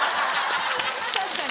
確かに。